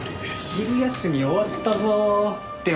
昼休み終わったぞ出戻り。